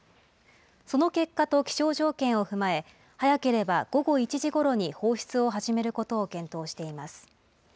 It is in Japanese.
その結果と気象条件を踏まえ、早ければ午後１時ごろに放出を始めることを検討しています。